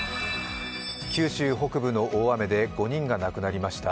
九州北部の大雨で５人が亡くなりました。